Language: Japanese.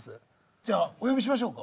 じゃあお呼びしましょうか？